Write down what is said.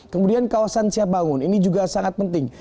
kemudian kawasan siap bangun ini juga sangat penting